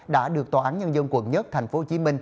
đã được tòa án nhân dân quận một tp hcm